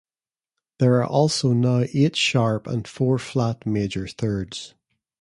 There are also now eight sharp and four flat major thirds.